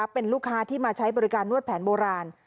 เป็นลูกค้าที่มาใช้บริการนวดแผนโบราณ